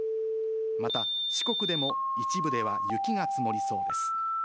また、四国でも一部では雪が積もりそうです。